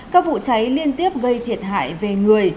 các vụ cháy liên tiếp gây thiệt hại về người